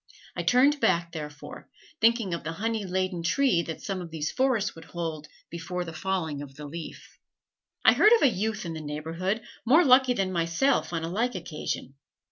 I turned back, therefore, thinking of the honey laden tree that some of these forests would hold before the falling of the leaf. I heard of a youth in the neighborhood, more lucky than myself on a like occasion.